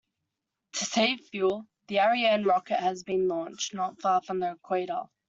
To save fuel, the Ariane rocket has been launched not far from the equator.